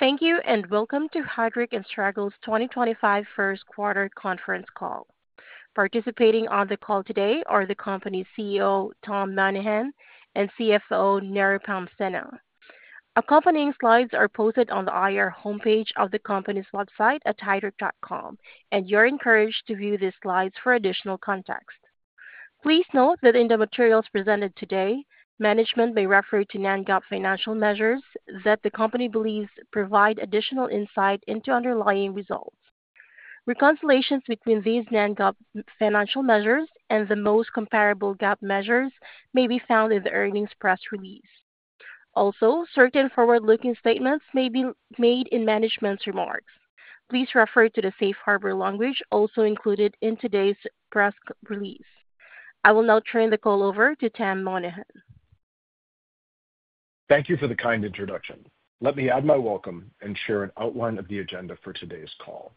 Thank you, and welcome to Heidrick & Struggles 2025 First Quarter Conference Call. Participating on the call today are the company's CEO, Tom Monahan, and CFO, Nirupam Sinha. Accompanying slides are posted on the IR homepage of the company's website at heidrick.com, and you're encouraged to view these slides for additional context. Please note that in the materials presented today, management may refer to non-GAAP financial measures that the company believes provide additional insight into underlying results. Reconciliations between these non-GAAP financial measures and the most comparable GAAP measures may be found in the earnings press release. Also, certain forward-looking statements may be made in management's remarks. Please refer to the safe harbor language also included in today's press release. I will now turn the call over to Tom Monahan. Thank you for the kind introduction. Let me add my welcome and share an outline of the agenda for today's call.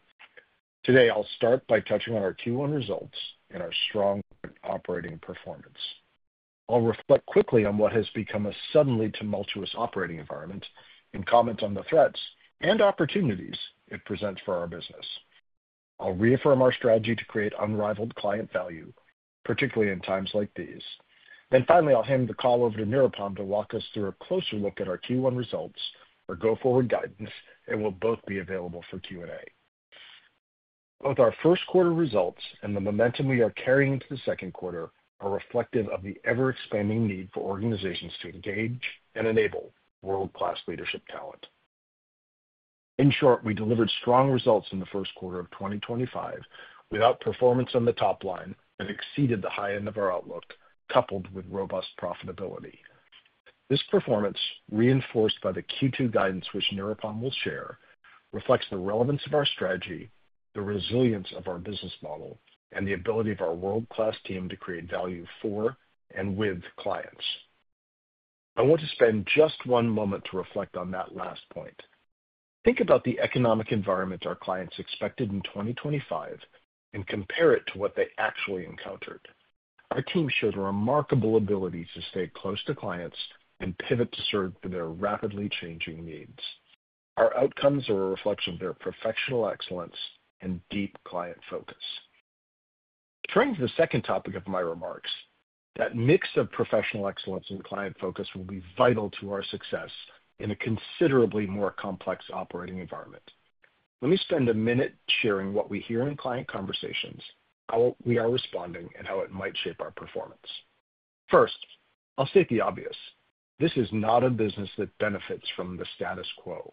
Today, I'll start by touching on our Q1 results and our strong operating performance. I'll reflect quickly on what has become a suddenly tumultuous operating environment and comment on the threats and opportunities it presents for our business. I'll reaffirm our strategy to create unrivaled client value, particularly in times like these. Finally, I'll hand the call over to Nirupam to walk us through a closer look at our Q1 results or go forward guidance, and we'll both be available for Q&A. Both our first quarter results and the momentum we are carrying into the second quarter are reflective of the ever-expanding need for organizations to engage and enable world-class leadership talent. In short, we delivered strong results in the first quarter of 2025 with outperformance on the top line that exceeded the high end of our outlook, coupled with robust profitability. This performance, reinforced by the Q2 guidance which Nirupam will share, reflects the relevance of our strategy, the resilience of our business model, and the ability of our world-class team to create value for and with clients. I want to spend just one moment to reflect on that last point. Think about the economic environment our clients expected in 2025 and compare it to what they actually encountered. Our team showed a remarkable ability to stay close to clients and pivot to serve their rapidly changing needs. Our outcomes are a reflection of their professional excellence and deep client focus. Turning to the second topic of my remarks, that mix of professional excellence and client focus will be vital to our success in a considerably more complex operating environment. Let me spend a minute sharing what we hear in client conversations, how we are responding, and how it might shape our performance. First, I'll state the obvious. This is not a business that benefits from the status quo.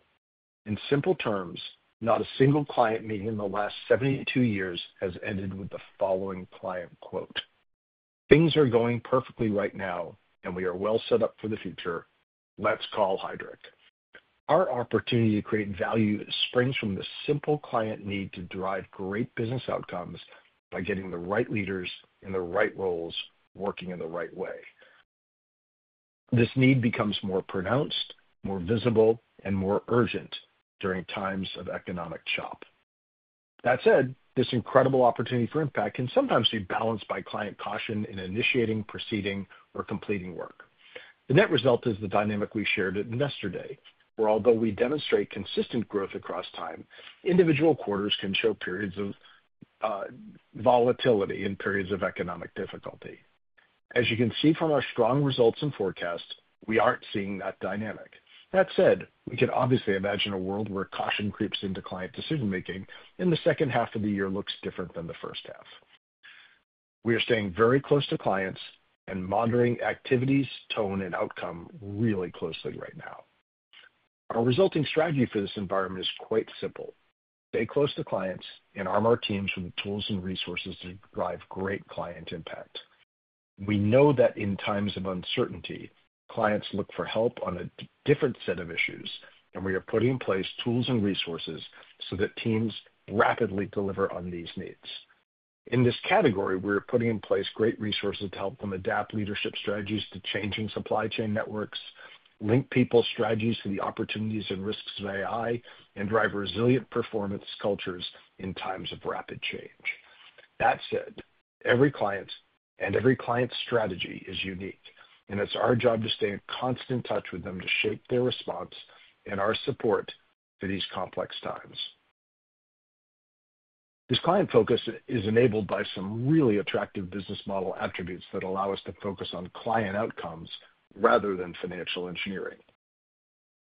In simple terms, not a single client meeting in the last 72 years has ended with the following client quote, "Things are going perfectly right now, and we are well set up for the future. Let's call Heidrick." Our opportunity to create value springs from the simple client need to drive great business outcomes by getting the right leaders in the right roles working in the right way. This need becomes more pronounced, more visible, and more urgent during times of economic chop. That said, this incredible opportunity for impact can sometimes be balanced by client caution in initiating, proceeding, or completing work. The net result is the dynamic we shared yesterday, where although we demonstrate consistent growth across time, individual quarters can show periods of volatility and periods of economic difficulty. As you can see from our strong results and forecast, we aren't seeing that dynamic. That said, we can obviously imagine a world where caution creeps into client decision-making and the second half of the year looks different than the first half. We are staying very close to clients and monitoring activities, tone, and outcome really closely right now. Our resulting strategy for this environment is quite simple. Stay close to clients and arm our teams with the tools and resources to drive great client impact. We know that in times of uncertainty, clients look for help on a different set of issues, and we are putting in place tools and resources so that teams rapidly deliver on these needs. In this category, we are putting in place great resources to help them adapt leadership strategies to changing supply chain networks, link people strategies to the opportunities and risks of AI, and drive resilient performance cultures in times of rapid change. That said, every client and every client strategy is unique, and it's our job to stay in constant touch with them to shape their response and our support for these complex times. This client focus is enabled by some really attractive business model attributes that allow us to focus on client outcomes rather than financial engineering.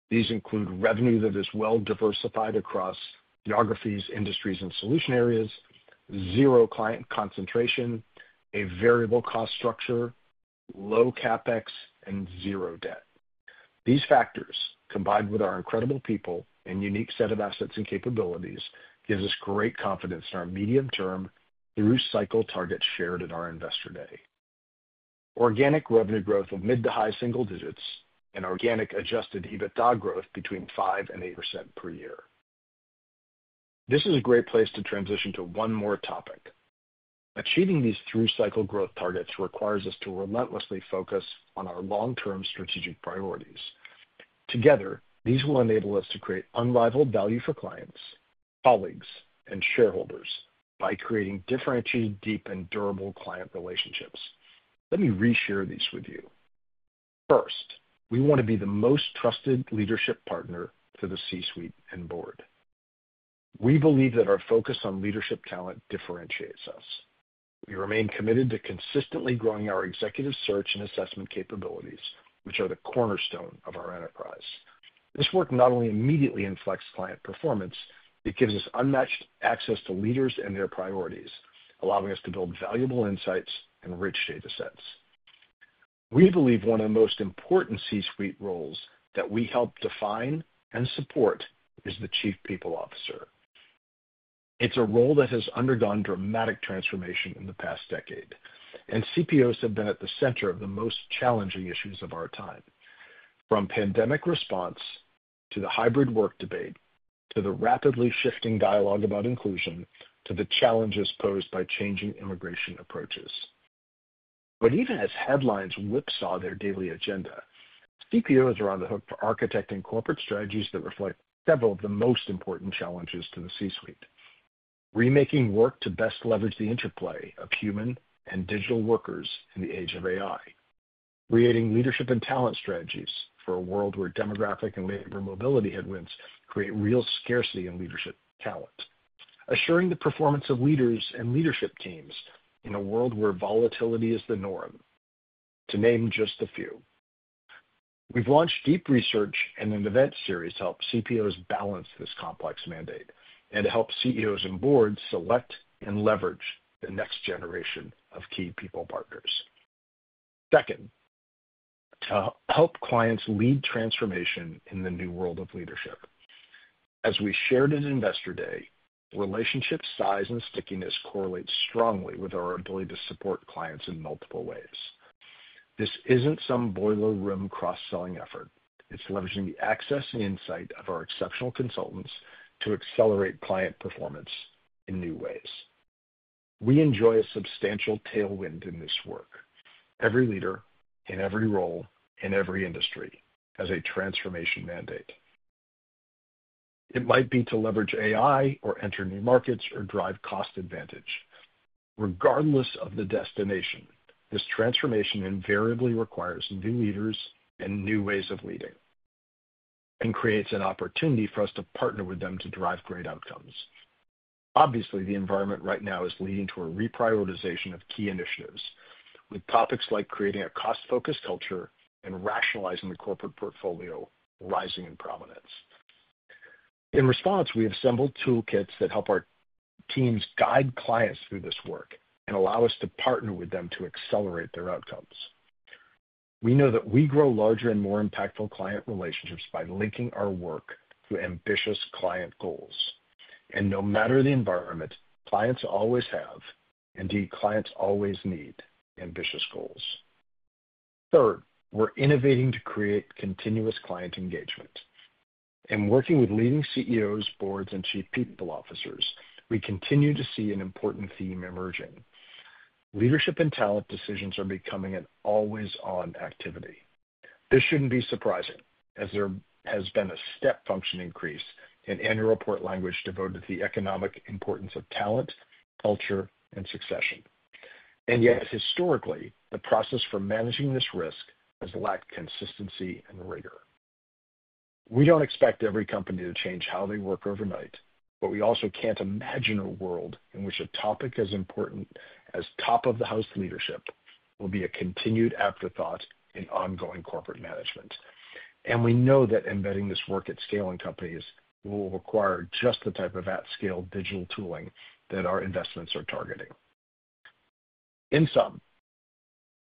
These include revenue that is well diversified across geographies, industries, and solution areas, zero client concentration, a variable cost structure, low CapEx, and zero debt. These factors, combined with our incredible people and unique set of assets and capabilities, give us great confidence in our medium-term through cycle targets shared at our investor day. Organic revenue growth of mid to high single digits and organic Adjusted EBITDA growth between 5% and 8% per year. This is a great place to transition to one more topic. Achieving these through cycle growth targets requires us to relentlessly focus on our long-term strategic priorities. Together, these will enable us to create unrivaled value for clients, colleagues, and shareholders by creating differentiated, deep, and durable client relationships. Let me reshare these with you. First, we want to be the most trusted leadership partner to the C-suite and board. We believe that our focus on leadership talent differentiates us. We remain committed to consistently growing our executive search and assessment capabilities, which are the cornerstone of our enterprise. This work not only immediately inflects client performance, it gives us unmatched access to leaders and their priorities, allowing us to build valuable insights and rich data sets. We believe one of the most important C-suite roles that we help define and support is the Chief People Officer. It's a role that has undergone dramatic transformation in the past decade, and CPOs have been at the center of the most challenging issues of our time, from pandemic response to the hybrid work debate to the rapidly shifting dialogue about inclusion to the challenges posed by changing immigration approaches. Even as headlines whipsaw their daily agenda, CPOs are on the hook for architecting corporate strategies that reflect several of the most important challenges to the C-suite: remaking work to best leverage the interplay of human and digital workers in the age of AI, creating leadership and talent strategies for a world where demographic and labor mobility headwinds create real scarcity in leadership talent, assuring the performance of leaders and leadership teams in a world where volatility is the norm, to name just a few. We have launched deep research and an event series to help CPOs balance this complex mandate and to help CEOs and boards select and leverage the next generation of key people partners. Second, to help clients lead transformation in the new world of leadership. As we shared at investor day, relationship size and stickiness correlate strongly with our ability to support clients in multiple ways. This isn't some boiler room cross-selling effort. It's leveraging the access and insight of our exceptional consultants to accelerate client performance in new ways. We enjoy a substantial tailwind in this work. Every leader in every role in every industry has a transformation mandate. It might be to leverage AI or enter new markets or drive cost advantage. Regardless of the destination, this transformation invariably requires new leaders and new ways of leading and creates an opportunity for us to partner with them to drive great outcomes. Obviously, the environment right now is leading to a reprioritization of key initiatives with topics like creating a cost-focused culture and rationalizing the corporate portfolio rising in prominence. In response, we have assembled toolkits that help our teams guide clients through this work and allow us to partner with them to accelerate their outcomes. We know that we grow larger and more impactful client relationships by linking our work to ambitious client goals. No matter the environment, clients always have, indeed, clients always need ambitious goals. Third, we're innovating to create continuous client engagement. In working with leading CEOs, boards, and chief people officers, we continue to see an important theme emerging. Leadership and talent decisions are becoming an always-on activity. This shouldn't be surprising as there has been a step function increase in annual report language devoted to the economic importance of talent, culture, and succession. Yet, historically, the process for managing this risk has lacked consistency and rigor. We don't expect every company to change how they work overnight, but we also can't imagine a world in which a topic as important as top-of-the-house leadership will be a continued afterthought in ongoing corporate management. We know that embedding this work at scale in companies will require just the type of at-scale digital tooling that our investments are targeting. In sum,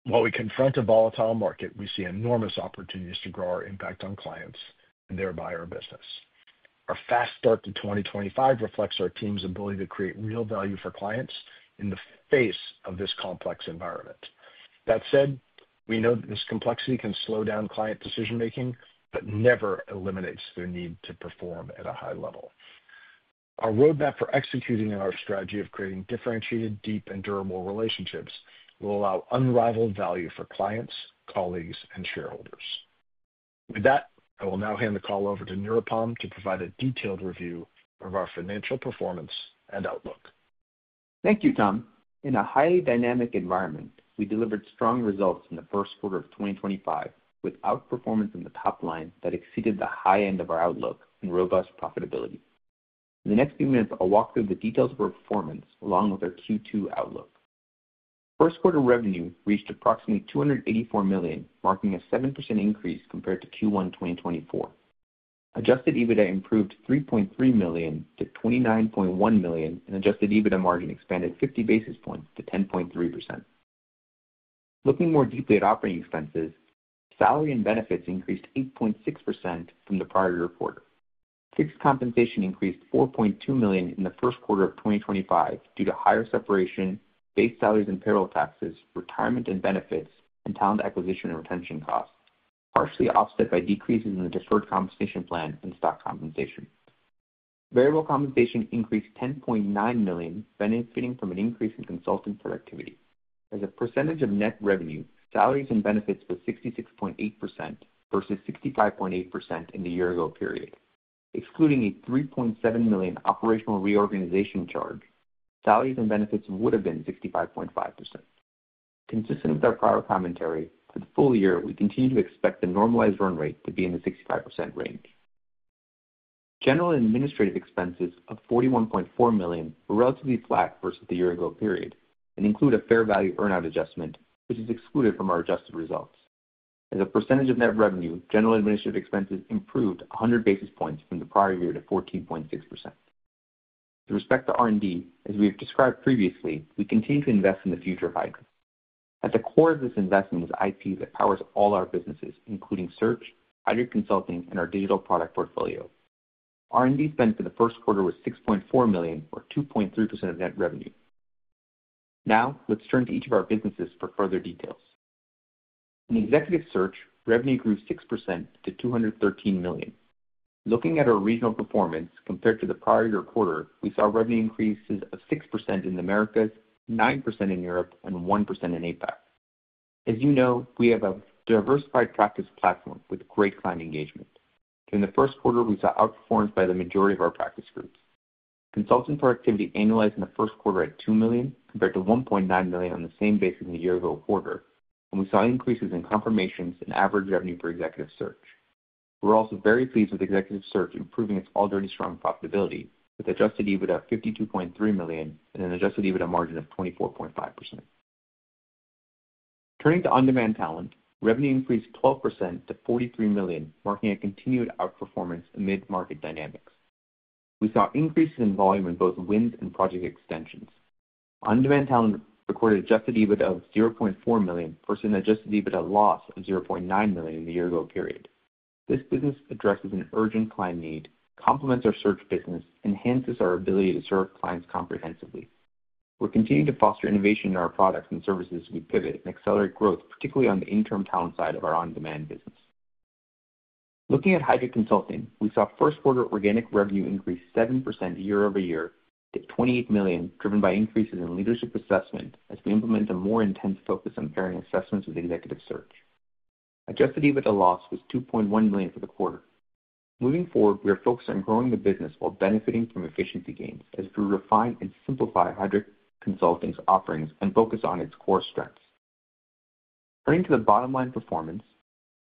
while we confront a volatile market, we see enormous opportunities to grow our impact on clients and thereby our business. Our fast start to 2025 reflects our team's ability to create real value for clients in the face of this complex environment. That said, we know that this complexity can slow down client decision-making but never eliminates their need to perform at a high level. Our roadmap for executing our strategy of creating differentiated, deep, and durable relationships will allow unrivaled value for clients, colleagues, and shareholders. With that, I will now hand the call over to Nirupam to provide a detailed review of our financial performance and outlook. Thank you, Tom. In a highly dynamic environment, we delivered strong results in the first quarter of 2025 with outperformance in the top line that exceeded the high end of our outlook and robust profitability. In the next few minutes, I'll walk through the details of our performance along with our Q2 outlook. First quarter revenue reached approximately $284 million, marking a 7% increase compared to Q1 2024. Adjusted EBITDA improved $3.3 million to $29.1 million, and adjusted EBITDA margin expanded 50 basis points to 10.3%. Looking more deeply at operating expenses, salary and benefits increased 8.6% from the prior quarter. Fixed compensation increased $4.2 million in the first quarter of 2025 due to higher separation, base salaries and payroll taxes, retirement and benefits, and talent acquisition and retention costs, partially offset by decreases in the deferred compensation plan and stock compensation. Variable compensation increased $10.9 million, benefiting from an increase in consultant productivity. As a percentage of net revenue, salaries and benefits were 66.8% versus 65.8% in the year-ago period. Excluding a $3.7 million operational reorganization charge, salaries and benefits would have been 65.5%. Consistent with our prior commentary, for the full year, we continue to expect the normalized run rate to be in the 65% range. General administrative expenses of $41.4 million were relatively flat versus the year-ago period and include a fair value earnout adjustment, which is excluded from our adjusted results. As a percentage of net revenue, general administrative expenses improved 100 basis points from the prior year to 14.6%. With respect to R&D, as we have described previously, we continue to invest in the future of Heidrick & Struggles. At the core of this investment is IP that powers all our businesses, including search, Heidrick Consulting, and our digital product portfolio. R&D spend for the first quarter was $6.4 million, or 2.3% of net revenue. Now, let's turn to each of our businesses for further details. In executive search, revenue grew 6% to $213 million. Looking at our regional performance compared to the prior year quarter, we saw revenue increases of 6% in the Americas, 9% in Europe, and 1% in APAC. As you know, we have a diversified practice platform with great client engagement. During the first quarter, we saw outperformance by the majority of our practice groups. Consultant productivity annualized in the first quarter at $2 million compared to $1.9 million on the same basis in the year-ago quarter, and we saw increases in confirmations and average revenue for Executive Search. We're also very pleased with executive search improving its already strong profitability with Adjusted EBITDA of $52.3 million and an Adjusted EBITDA margin of 24.5%. Turning to On-Demand Talent, revenue increased 12% to $43 million, marking a continued outperformance amid market dynamics. We saw increases in volume in both wins and project extensions. On-Demand Talent recorded Adjusted EBITDA of $0.4 million versus an Adjusted EBITDA loss of $0.9 million in the year-ago period. This business addresses an urgent client need, complements our search business, and enhances our ability to serve clients comprehensively. We're continuing to foster innovation in our products and services as we pivot and accelerate growth, particularly on the interim talent side of our On-Demand business. Looking at Heidrick Consulting, we saw first quarter organic revenue increase 7% year-over-year to $28 million, driven by increases in leadership assessment as we implement a more intense focus on pairing assessments with executive search. Adjusted EBITDA loss was $2.1 million for the quarter. Moving forward, we are focused on growing the business while benefiting from efficiency gains as we refine and simplify Heidrick Consulting's offerings and focus on its core strengths. Turning to the bottom line performance,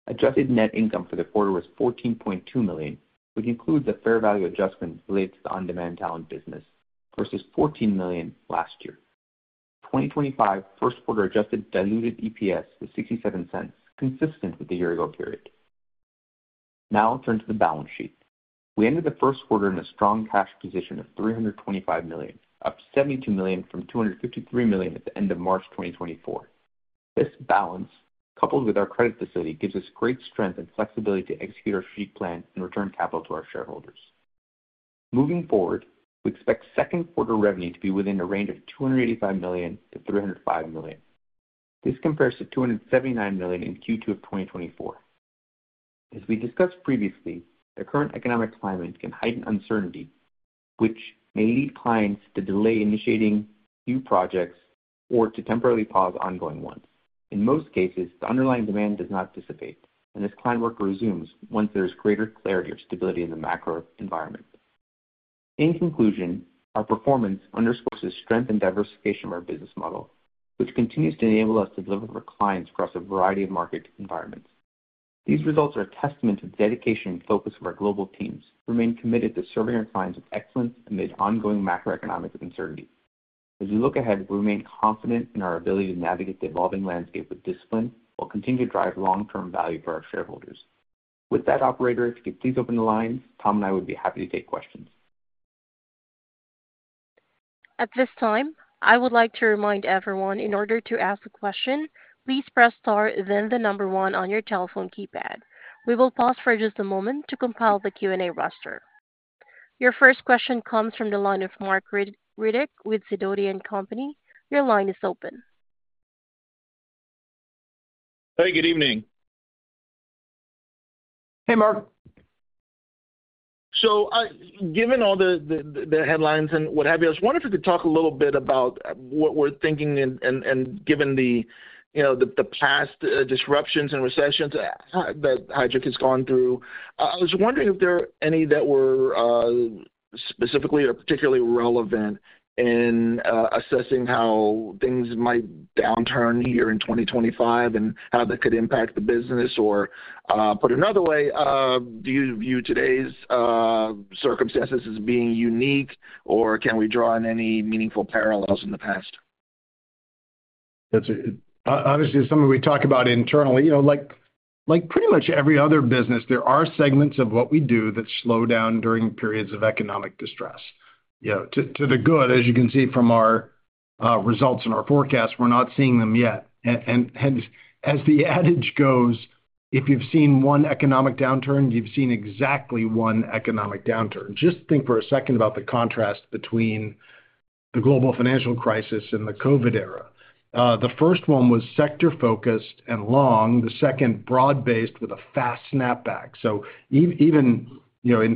adjusted net income for the quarter was $14.2 million, which includes a fair value adjustment related to the On-Demand Talent business versus $14 million last year. 2025 first quarter adjusted diluted EPS was $0.67, consistent with the year-ago period. Now, turn to the balance sheet. We ended the first quarter in a strong cash position of $325 million, up $72 million from $253 million at the end of March 2024. This balance, coupled with our credit facility, gives us great strength and flexibility to execute our strategic plan and return capital to our shareholders. Moving forward, we expect second quarter revenue to be within a range of $285 million-$305 million. This compares to $279 million in Q2 of 2024. As we discussed previously, the current economic climate can heighten uncertainty, which may lead clients to delay initiating new projects or to temporarily pause ongoing ones. In most cases, the underlying demand does not dissipate, and this client work resumes once there is greater clarity or stability in the macro environment. In conclusion, our performance underscores the strength and diversification of our business model, which continues to enable us to deliver for clients across a variety of market environments. These results are a testament to the dedication and focus of our global teams. We remain committed to serving our clients with excellence amid ongoing macroeconomic uncertainty. As we look ahead, we remain confident in our ability to navigate the evolving landscape with discipline while continuing to drive long-term value for our shareholders. With that, Operator, if you could please open the lines, Tom and I would be happy to take questions. At this time, I would like to remind everyone in order to ask a question, please press star, then the number one on your telephone keypad. We will pause for just a moment to compile the Q&A roster. Your first question comes from the line of Marc Riddick with Sidoti & Company. Your line is open. Hey, good evening. Hey, Marc. Given all the headlines and what have you, I was wondering if you could talk a little bit about what we're thinking and given the past disruptions and recessions that Heidrick has gone through. I was wondering if there are any that were specifically or particularly relevant in assessing how things might downturn here in 2025 and how that could impact the business. Or put another way, do you view today's circumstances as being unique, or can we draw on any meaningful parallels in the past? Honestly, it's something we talk about internally. Like pretty much every other business, there are segments of what we do that slow down during periods of economic distress. To the good, as you can see from our results and our forecasts, we're not seeing them yet. As the adage goes, if you've seen one economic downturn, you've seen exactly one economic downturn. Just think for a second about the contrast between the global financial crisis and the COVID era. The first one was sector-focused and long. The second, broad-based with a fast snapback. Even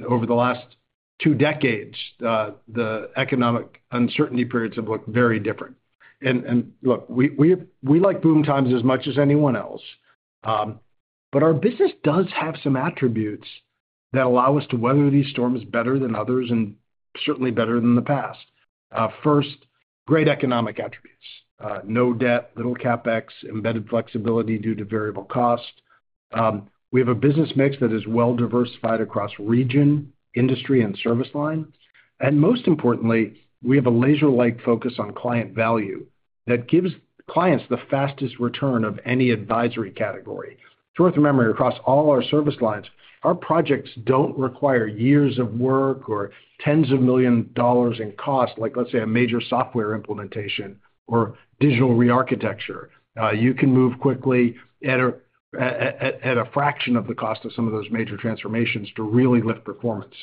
over the last two decades, the economic uncertainty periods have looked very different. We like boom times as much as anyone else. Our business does have some attributes that allow us to weather these storms better than others and certainly better than the past. First, great economic attributes: no debt, little CapEx, embedded flexibility due to variable cost. We have a business mix that is well-diversified across region, industry, and service line. Most importantly, we have a laser-like focus on client value that gives clients the fastest return of any advisory category. Short of memory, across all our service lines, our projects do not require years of work or tens of million dollars in cost, like, let's say, a major software implementation or digital re-architecture. You can move quickly at a fraction of the cost of some of those major transformations to really lift performance.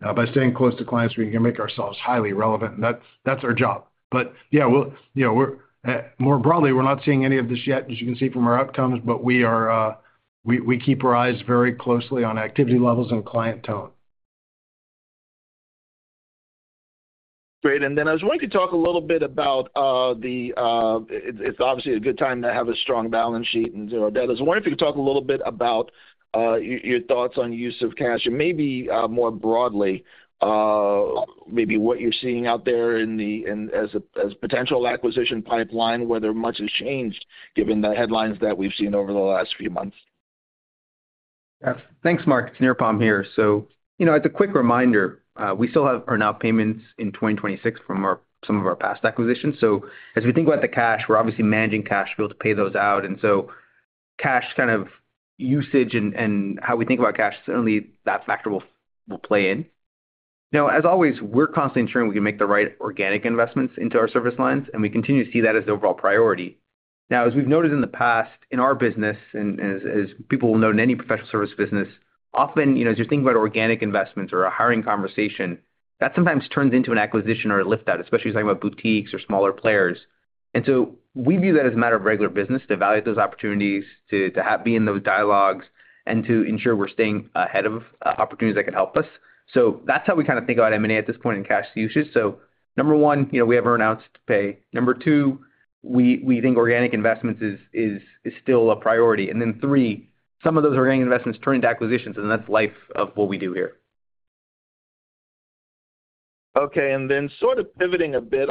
By staying close to clients, we can make ourselves highly relevant, and that's our job. More broadly, we're not seeing any of this yet, as you can see from our outcomes, but we keep our eyes very closely on activity levels and client tone. Great. I was wanting to talk a little bit about the—it's obviously a good time to have a strong balance sheet and zero debt. I was wondering if you could talk a little bit about your thoughts on use of cash and maybe more broadly, maybe what you're seeing out there as a potential acquisition pipeline, whether much has changed given the headlines that we've seen over the last few months. Thanks, Marc. It's Nirupam here. As a quick reminder, we still have earnout payments in 2026 from some of our past acquisitions. As we think about the cash, we're obviously managing cash to be able to pay those out. Cash kind of usage and how we think about cash, certainly that factor will play in. Now, as always, we're constantly ensuring we can make the right organic investments into our service lines, and we continue to see that as the overall priority. As we've noticed in the past in our business, and as people will note in any professional service business, often as you're thinking about organic investments or a hiring conversation, that sometimes turns into an acquisition or a lift-out, especially if you're talking about boutiques or smaller players. We view that as a matter of regular business to evaluate those opportunities, to be in those dialogues, and to ensure we're staying ahead of opportunities that could help us. That's how we kind of think about M&A at this point in cash usage. Number one, we have earnouts to pay. Number two, we think organic investments is still a priority. Then three, some of those organic investments turn into acquisitions, and that's the life of what we do here. Okay. Sort of pivoting a bit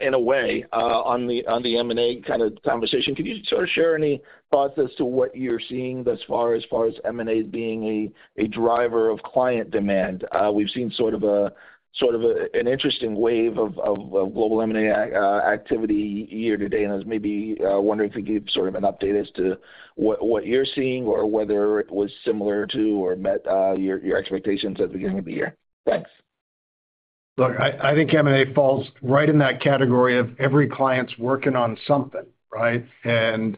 in a way on the M&A kind of conversation, can you sort of share any thoughts as to what you're seeing thus far as far as M&A being a driver of client demand? We've seen sort of an interesting wave of global M&A activity year to date, and I was maybe wondering if you could give sort of an update as to what you're seeing or whether it was similar to or met your expectations at the beginning of the year. Thanks. Look, I think M&A falls right in that category of every client's working on something, right? M&A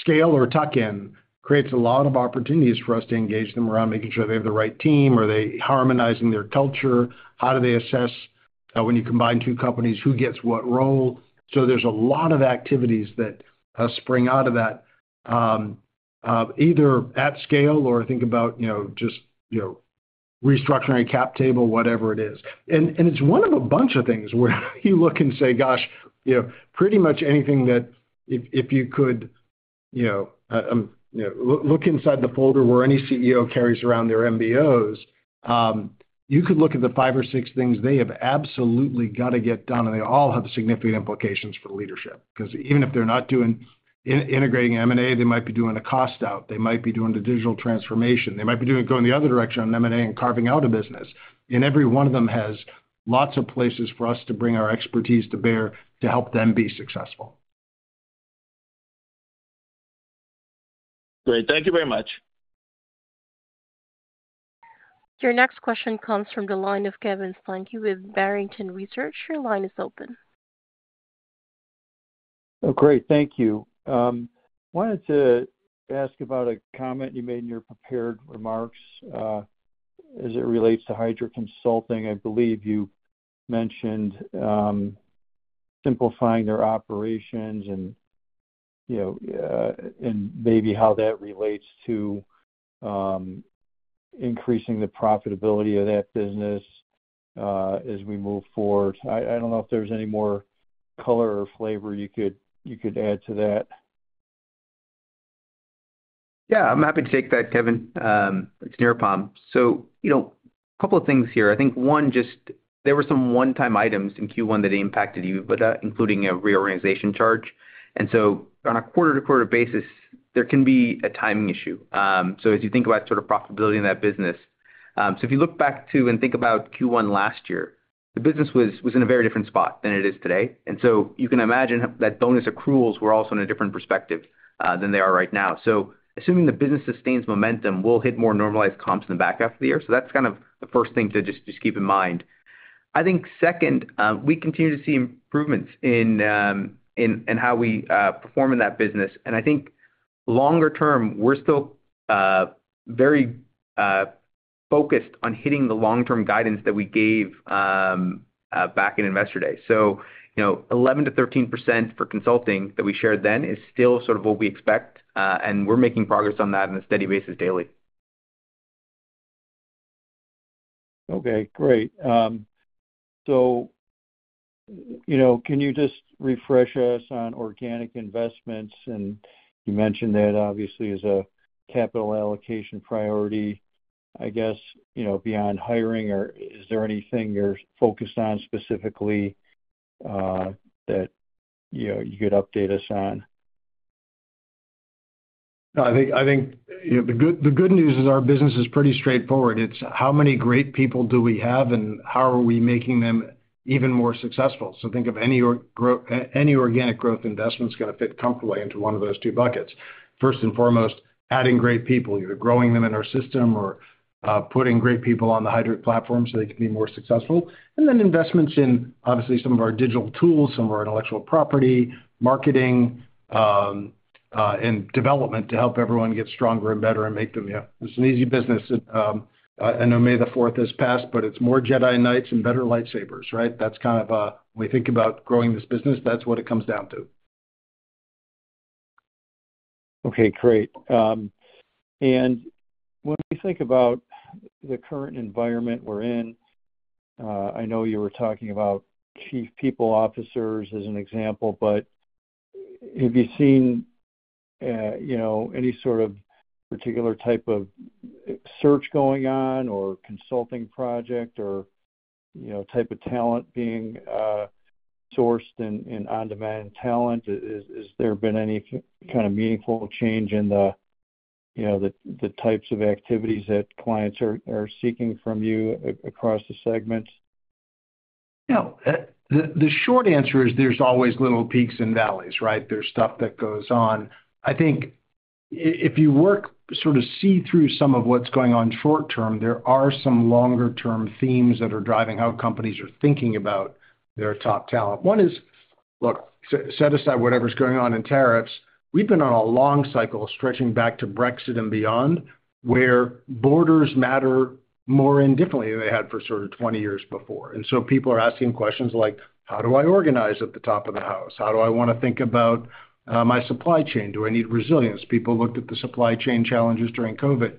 scale or tuck-in creates a lot of opportunities for us to engage them around making sure they have the right team or they're harmonizing their culture. How do they assess when you combine two companies, who gets what role? There is a lot of activities that spring out of that, either at scale or think about just restructuring a cap table, whatever it is. It is one of a bunch of things where you look and say, "Gosh, pretty much anything that if you could look inside the folder where any CEO carries around their MBOs, you could look at the five or six things they have absolutely got to get done, and they all have significant implications for leadership." Even if they are not integrating M&A, they might be doing a cost-out. They might be doing the digital transformation. They might be going the other direction on M&A and carving out a business. Every one of them has lots of places for us to bring our expertise to bear to help them be successful. Great. Thank you very much. Your next question comes from the line of Kevin Steinke with Barrington Research. Your line is open. Oh, great. Thank you. I wanted to ask about a comment you made in your prepared remarks as it relates to Heidrick Consulting. I believe you mentioned simplifying their operations and maybe how that relates to increasing the profitability of that business as we move forward. I do not know if there is any more color or flavor you could add to that. Yeah, I'm happy to take that, Kevin. It's Nirupam. A couple of things here. I think one, just there were some one-time items in Q1 that impacted you, including a reorganization charge. On a quarter-to-quarter basis, there can be a timing issue. As you think about sort of profitability in that business, if you look back to and think about Q1 last year, the business was in a very different spot than it is today. You can imagine that bonus accruals were also in a different perspective than they are right now. Assuming the business sustains momentum, we'll hit more normalized comps in the back half of the year. That's kind of the first thing to just keep in mind. I think second, we continue to see improvements in how we perform in that business. I think longer term, we're still very focused on hitting the long-term guidance that we gave back in investor day. 11%-13% for consulting that we shared then is still sort of what we expect, and we're making progress on that on a steady basis daily. Okay. Great. Can you just refresh us on organic investments? You mentioned that obviously as a capital allocation priority. I guess beyond hiring, is there anything you're focused on specifically that you could update us on? No, I think the good news is our business is pretty straightforward. It's how many great people do we have and how are we making them even more successful? Think of any organic growth investment that's going to fit comfortably into one of those two buckets. First and foremost, adding great people, either growing them in our system or putting great people on the Heidrick platform so they can be more successful. Investments in obviously some of our digital tools, some of our intellectual property, marketing, and development to help everyone get stronger and better and make them. Yeah, it's an easy business. I know May the 4th has passed, but it's more Jedi Knights and better lightsabers, right? That's kind of when we think about growing this business, that's what it comes down to. Okay. Great. When we think about the current environment we're in, I know you were talking about chief people officers as an example, but have you seen any sort of particular type of search going on or consulting project or type of talent being sourced in On-Demand Talent? Has there been any kind of meaningful change in the types of activities that clients are seeking from you across the segments? No. The short answer is there's always little peaks and valleys, right? There's stuff that goes on. I think if you work sort of see through some of what's going on short term, there are some longer-term themes that are driving how companies are thinking about their top talent. One is, look, set aside whatever's going on in tariffs. We've been on a long cycle stretching back to Brexit and beyond where borders matter more indifferently than they had for sort of 20 years before. People are asking questions like, "How do I organize at the top of the house? How do I want to think about my supply chain? Do I need resilience?" People looked at the supply chain challenges during COVID.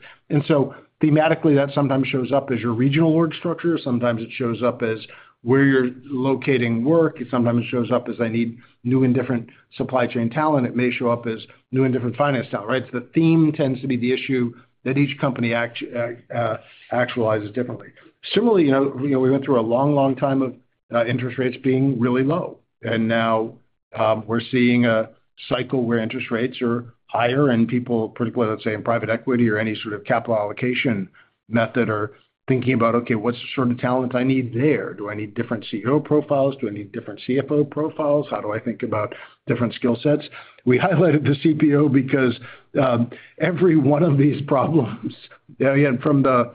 Thematically, that sometimes shows up as your regional org structure. Sometimes it shows up as where you're locating work. Sometimes it shows up as I need new and different supply chain talent. It may show up as new and different finance talent, right? The theme tends to be the issue that each company actualizes differently. Similarly, we went through a long, long time of interest rates being really low. Now we're seeing a cycle where interest rates are higher and people, particularly, let's say, in private equity or any sort of capital allocation method, are thinking about, "Okay, what's the sort of talent I need there? Do I need different CEO profiles? Do I need different CFO profiles? How do I think about different skill sets?" We highlighted the CPO because every one of these problems, from the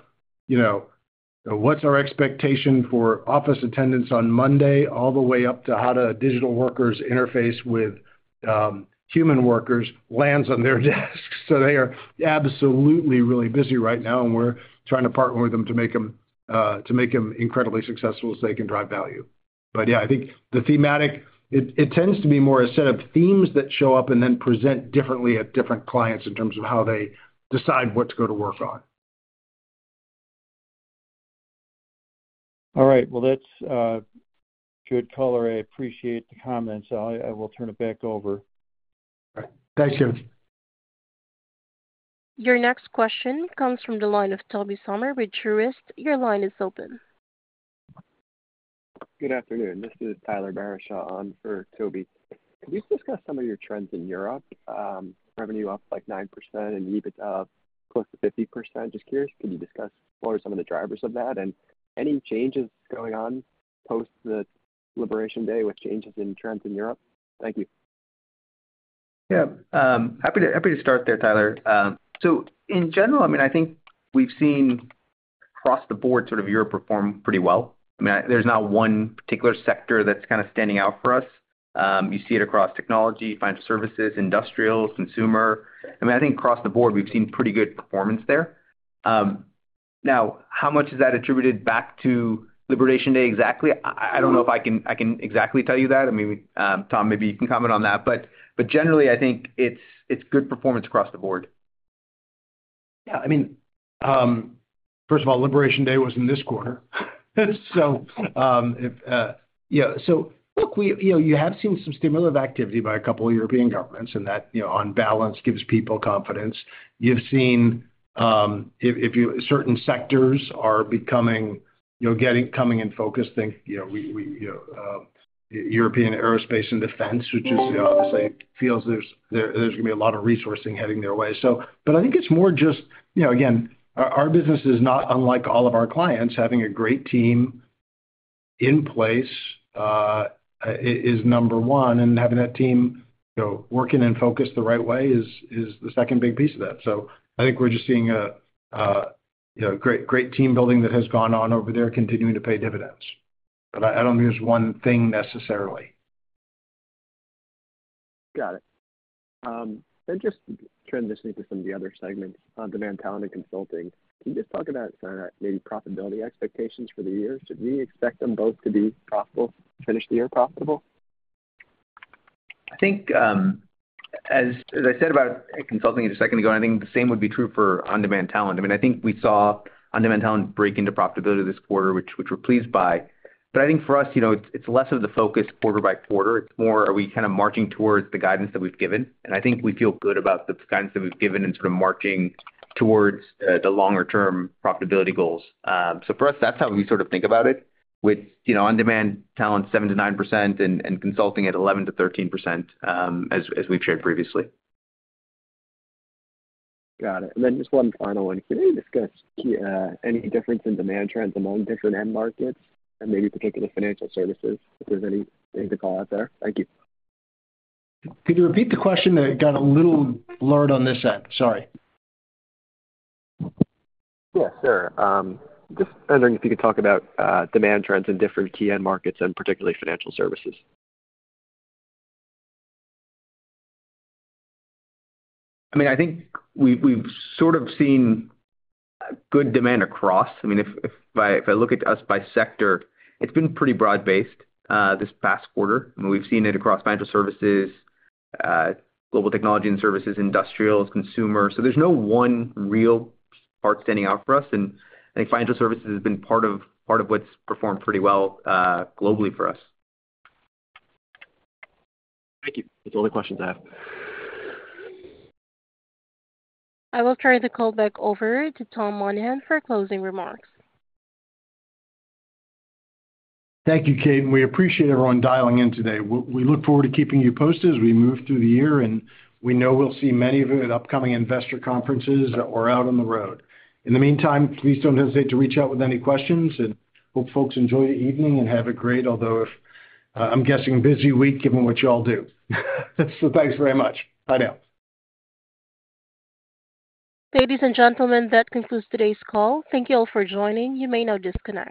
what's our expectation for office attendance on Monday all the way up to how do digital workers interface with human workers, lands on their desks. They are absolutely really busy right now, and we're trying to partner with them to make them incredibly successful so they can drive value. Yeah, I think the thematic, it tends to be more a set of themes that show up and then present differently at different clients in terms of how they decide what to go to work on. All right. That's good color. I appreciate the comments. I will turn it back over. Thanks, Kevin. Your next question comes from the line of Toby Sommer with Truist. Your line is open. Good afternoon. This is Tyler Barishaw on for Toby. Can you discuss some of your trends in Europe? Revenue up like 9% and EBITDA close to 50%. Just curious, can you discuss what are some of the drivers of that and any changes going on post-liberation day with changes in trends in Europe? Thank you. Yeah. Happy to start there, Tyler. In general, I mean, I think we've seen across the board sort of Europe perform pretty well. I mean, there's not one particular sector that's kind of standing out for us. You see it across technology, financial services, industrials, consumer. I mean, I think across the board, we've seen pretty good performance there. Now, how much is that attributed back to Liberation Day exactly? I don't know if I can exactly tell you that. I mean, Tom, maybe you can comment on that. Generally, I think it's good performance across the board. Yeah. I mean, first of all, Liberation Day was in this quarter. Look, you have seen some stimulative activity by a couple of European governments, and that on balance gives people confidence. You've seen certain sectors are becoming coming in focus. I think European aerospace and defense, which obviously feels there's going to be a lot of resourcing heading their way. I think it's more just, again, our business is not unlike all of our clients. Having a great team in place is number one, and having that team working and focused the right way is the second big piece of that. I think we're just seeing great team building that has gone on over there continuing to pay dividends. I don't think there's one thing necessarily. Got it. Just transitioning to some of the other segments, on-demand talent and consulting. Can you just talk about maybe profitability expectations for the year? Should we expect them both to be profitable, finish the year profitable? I think, as I said about consulting just a second ago, and I think the same would be true for on-demand talent. I mean, I think we saw on-demand talent break into profitability this quarter, which we are pleased by. I think for us, it is less of the focus quarter by quarter. It is more, are we kind of marching towards the guidance that we have given? I think we feel good about the guidance that we have given and sort of marching towards the longer-term profitability goals. For us, that is how we sort of think about it, with on-demand talent 7-9% and consulting at 11-13%, as we have shared previously. Got it. Just one final one. Can you discuss any difference in demand trends among different end markets and maybe particular financial services? If there is anything to call out there. Thank you. Could you repeat the question? It got a little blurred on this end. Sorry. Yeah, sure. Just wondering if you could talk about demand trends in different key end markets and particularly financial services. I mean, I think we've sort of seen good demand across. I mean, if I look at us by sector, it's been pretty broad-based this past quarter. I mean, we've seen it across financial services, global technology and services, industrials, consumers. There is no one real part standing out for us. I think financial services has been part of what's performed pretty well globally for us. Thank you. That's all the questions I have. I will turn the call back over to Tom Monahan for closing remarks. Thank you, Kate. We appreciate everyone dialing in today. We look forward to keeping you posted as we move through the year, and we know we'll see many at the upcoming investor conferences that we're out on the road. In the meantime, please don't hesitate to reach out with any questions. Hope folks enjoy the evening and have a great, although I'm guessing busy, week given what you all do. Thanks very much. Bye now. Ladies and gentlemen, that concludes today's call. Thank you all for joining. You may now disconnect.